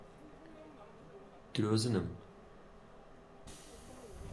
درۆزنم.